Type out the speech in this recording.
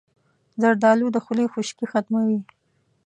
زردالو د خولې خشکي ختموي.